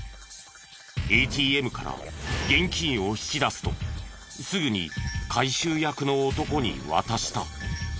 ＡＴＭから現金を引き出すとすぐに回収役の男に渡した。